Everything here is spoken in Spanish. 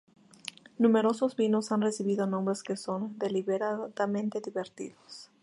Numerosos vinos han recibido nombres que son deliberadamente divertidos.